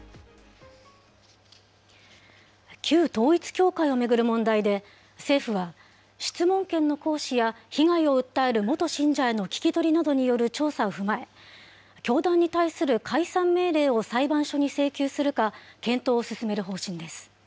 旧統一教会を巡る問題で、政府は質問権の行使や被害を訴える元信者への聞き取りなどによる調査を踏まえ、教団に対する解散命令を裁判所に請求するか、検討を進める方針です。